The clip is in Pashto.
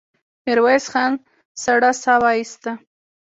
ميرويس خان سړه سا وايسته.